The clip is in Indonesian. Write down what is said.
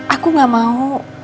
aku gak mau